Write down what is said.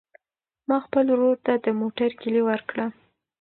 ما خپل ورور ته د موټر کیلي ورکړه.